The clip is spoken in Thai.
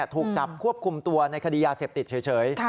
ถูกจับควบคุมตัวในคดียาเสพติดเฉย